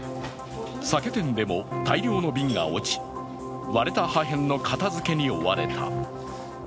酒店でも大量の瓶が落ち、割れた破片の片づけに追われた。